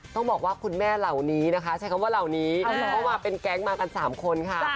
ต้องบอกว่าคุณแม่เหล่านี้นะคะใช้คำว่าเหล่านี้เพราะว่าเป็นแก๊งมากัน๓คนค่ะ